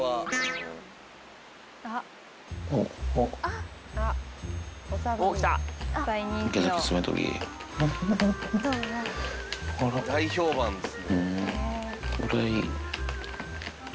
これはいい。